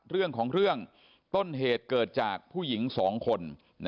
เรื่องของเรื่องต้นเหตุเกิดจากผู้หญิง๒คน